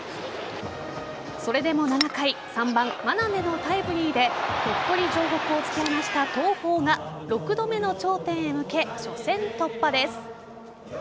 それでも７回３番・眞邉のタイムリーで鳥取城北を突き放した東邦が６度目の頂点へ向け初戦突破です。